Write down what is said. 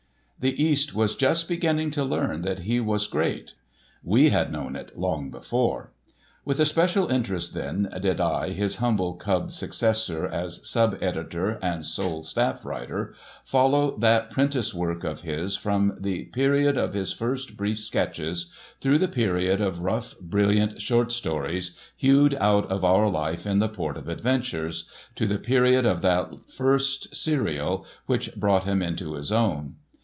The East was just beginning to learn that he was great; we had known it long before. With a special interest, then, did I, his humble cub successor as sub editor and sole staff writer, follow that prentice work of his from the period of his first brief sketches, through the period of rough, brilliant short stories hewed out of our life in the Port of Adventures, to the period of that first serial which brought him into his own.